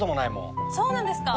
そうなんですか。